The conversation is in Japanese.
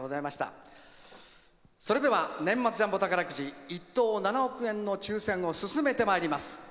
それでは年末ジャンボ宝くじ１等７億円の抽せんを進めてまいります。